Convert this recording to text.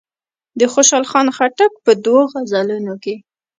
د خوشحال خان خټک په دوو غزلونو کې.